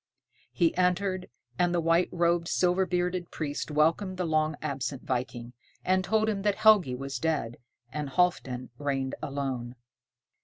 He entered, and the white robed, silver bearded priest welcomed the long absent viking, and told him that Helgi was dead, and Halfdan reigned alone.